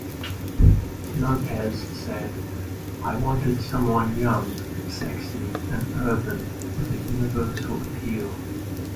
Lopez said, "I wanted someone young, sexy and urban, with a universal appeal".